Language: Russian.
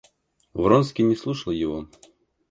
Вронский не слушал его.